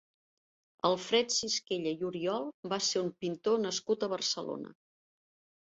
Alfred Sisquella i Oriol va ser un pintor nascut a Barcelona.